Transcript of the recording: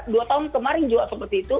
dua tahun kemarin juga seperti itu